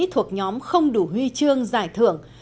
thuộc nhóm không đủ huy chương giải thưởng